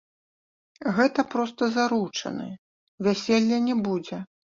Гэта проста заручыны, вяселля не будзе.